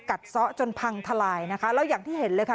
ซ้อจนพังทลายนะคะแล้วอย่างที่เห็นเลยค่ะ